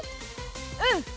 うん！